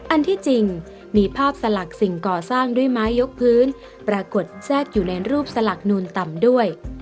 อันที่จริงมีภาพสลักสิ่งก่อสร้างด้วยไม้ยกพื้นปรากฏแทรกอยู่ในรูปสลักนูนต่ำด้วย